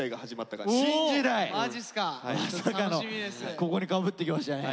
ここにかぶってきましたね。